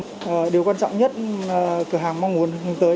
mình mua điều quan trọng nhất cửa hàng mong muốn hướng tới